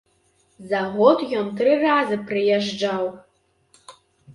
За год ён тры разы прыязджаў.